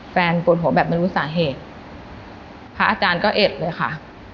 แฟนปลดหัวแบบมนุษย์สาเหตุพระอาจารย์ก็เอ็ดเลยค่ะ